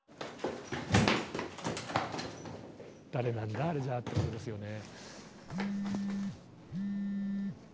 誰なんだあれじゃあってことですよね。